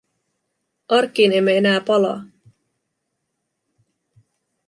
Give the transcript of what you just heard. Arkkiin emme enää palaa.